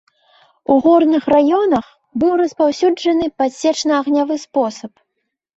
У горных раёнах быў распаўсюджаны падсечна-агнявы спосаб.